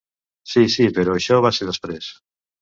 Sí, sí, però això va ser després.